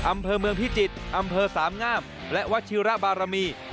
อำเภอเมืองพิจิตรอำเภอสามงามและวัชิระบารมี